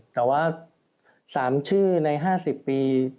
แต่ว่า๓ชื่อใน๕๐ปี